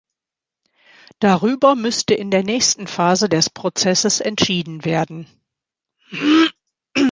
Darüber müsste in der nächsten Phase des Prozesses entschieden werden.